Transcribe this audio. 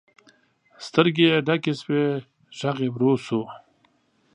سترګې یې ډکې شوې، غږ یې ورو شو.